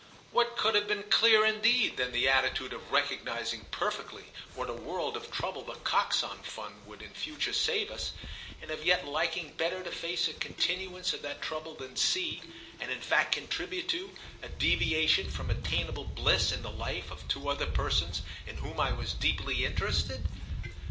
What could have been clearer indeed than the attitude of recognising perfectly what a world of trouble The Coxon Fund would in future save us, and of yet liking better to face a continuance of that trouble than see, and in fact contribute to, a deviation from attainable bliss in the life of two other persons in whom I was deeply interested?